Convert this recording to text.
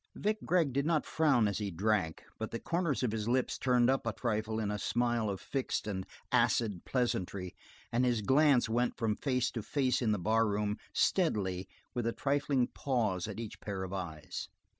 Vic Gregg did not frown as he drank, but the corners of his lips turned up a trifle in a smile of fixed and acid pleasantry and his glance went from face to face in the barroom, steadily, with a trifling pause at each pair of eyes.